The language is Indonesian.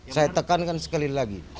saya tekankan sekali lagi